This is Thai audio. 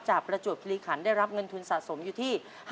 ประจวบคิริขันได้รับเงินทุนสะสมอยู่ที่